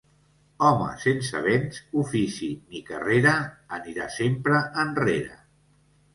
Home sense béns, ofici ni carrera, anirà sempre enrere.